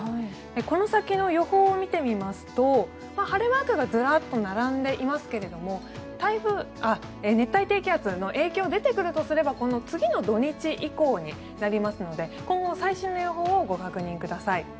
この先の予報を見てみますと晴れマークがずらっと並んでいますけれども熱帯低気圧の影響が出てくるとすればこの次の土日以降になりますので今後最新の予報をご確認ください。